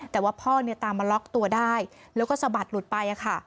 แต่ว่าพ่อเนี่ยตามมาล็อกตัวได้แล้วก็สะบัดหลุดไปค่ะ